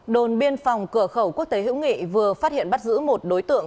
đồn biên phòng cửa khẩu quốc tế hữu nghị vừa phát hiện bắt giữ một đối tượng